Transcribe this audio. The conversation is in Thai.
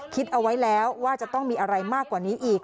คิดเอาไว้แล้วว่าจะต้องมีอะไรมากกว่านี้อีก